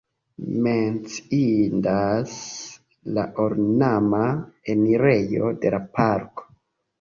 Menciindas la ornama enirejo de la parko.